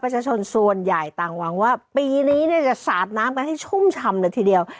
ชนส่วนใหญ่ต่างหวังว่าปีนี้เนี่ยจะสาดน้ำกันให้ชุ่มชำเลยทีเดียว